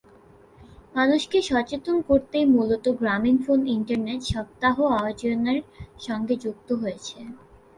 মানুষকে সচেতন করতেই মূলত গ্রামীণফোন ইন্টারনেট সপ্তাহ আয়োজনের সঙ্গে যুক্ত হয়েছে।